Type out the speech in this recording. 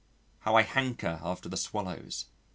How I hanker after the Swallows!